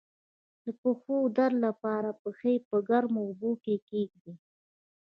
د پښو د درد لپاره پښې په ګرمو اوبو کې کیږدئ